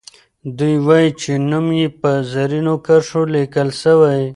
دوي وايي چې نوم یې په زرینو کرښو لیکل سوی.